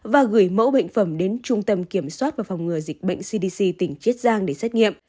và gửi mẫu bệnh phẩm đến trung tâm kiểm soát và phòng ngừa dịch bệnh cdc tỉnh chiết giang để xét nghiệm